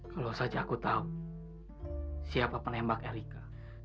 kalau saja aku tahu siapa penembak erika